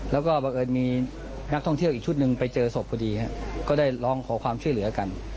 แล้วก็บังเอิญมีนักท่องเที่ยวอีกชุดหนึ่งไปเจอศพพอดีก็ได้ร้องขอความช่วยเหลือกัน